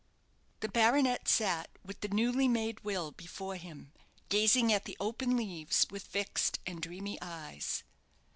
The baronet sat with the newly made will before him, gazing at the open leaves with fixed and dreamy eyes.